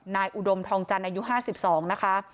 อุดมทองจันทร์อายุ๕๒นะคะ